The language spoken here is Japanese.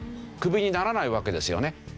クビにならないわけですよね。